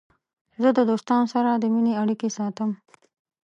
زه د دوستانو سره د مینې اړیکې ساتم.